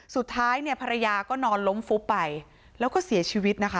สุดท้ายเนี่ยภรรยาก็นอนล้มฟุบไปแล้วก็เสียชีวิตนะคะ